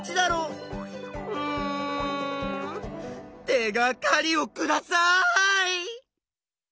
手がかりをください！